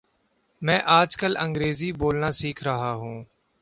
میں آج کل انگریزی بولنا سیکھ رہا ہوں